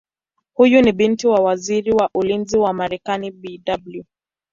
Huyu ni binti wa Waziri wa Ulinzi wa Marekani Bw.